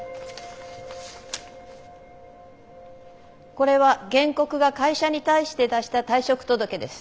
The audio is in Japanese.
これは原告が会社に対して出した退職届です。